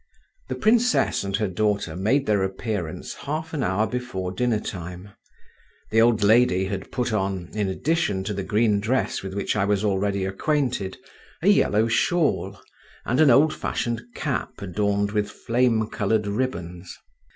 The princess and her daughter made their appearance half an hour before dinner time; the old lady had put on, in addition to the green dress with which I was already acquainted, a yellow shawl, and an old fashioned cap adorned with flame coloured ribbons.